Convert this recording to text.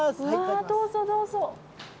どうぞ、どうぞ。